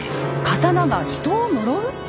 刀が人を呪う？